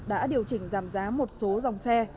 đã điều chỉnh giảm giá một số dòng xe